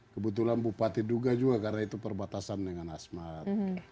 kebetulan bupati duga juga karena itu perbatasan dengan asmat